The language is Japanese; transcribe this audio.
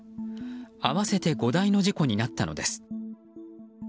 合わせて５台の事故になったのです。